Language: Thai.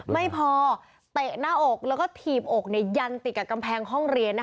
ไม่พอเตะหน้าอกแล้วก็ถีบอกยันติดกับกำแพงห้องเรียน